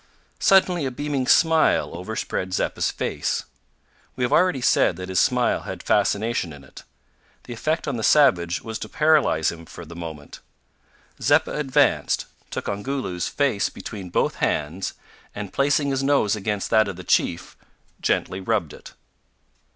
Suddenly a beaming smile overspread Zeppa's face. We have already said that his smile had fascination in it. The effect on the savage was to paralyse him for the moment. Zeppa advanced, took Ongoloo's face between both hands, and, placing his nose against that of the chief, gently rubbed it.